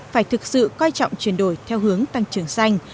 phải thực sự coi trọng chuyển đổi theo hướng tăng trưởng xanh